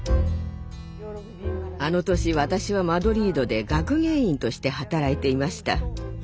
あの年私はマドリードで学芸員として働いていました。